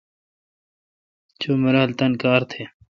چو مرال تان کار تھ۔